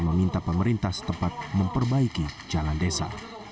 meminta pemerintah setempat memperbaiki jalan desa